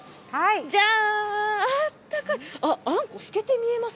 じゃーん！